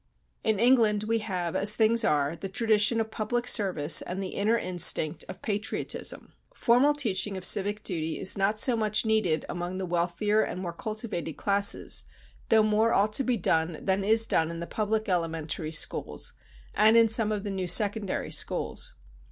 "In England we have, as things are, the tradition of public service and the inner instinct of patriotism; formal teaching of civic duty is not so much needed among the wealthier and more cultivated classes, though more ought to be done than is done in the public elementary schools, and in some of the new secondary schools.